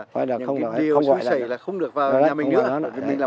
đấy và những điều xúi xẩy là không được vào nhà mình nữa